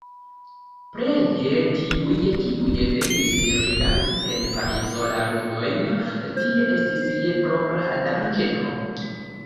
Pleje tiuj, kiuj venis rigardi en Parizo la ludojn, tie estis je propra danĝero.